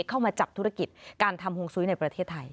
เข้ามาจับธุรกิจการทำฮวงซุ้ยในประเทศไทย